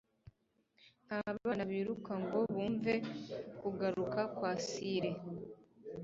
Nta bana biruka ngo bumve kugaruka kwa sire,